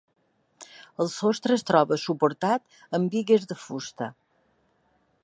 El sostre es troba suportat amb bigues de fusta.